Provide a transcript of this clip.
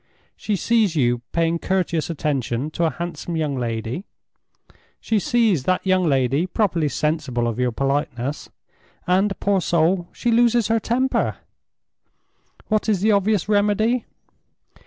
She sees you paying courteous attention to a handsome young lady; she sees that young lady properly sensible of your politeness; and, poor soul, she loses her temper! What is the obvious remedy?